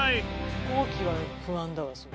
飛行機は不安だわ。